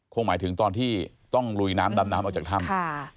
หมายถึงตอนที่ต้องลุยน้ำดำน้ำออกจากถ้ำ